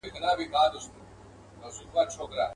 نن د پنجابي او منظور جان حماسه ولیکه.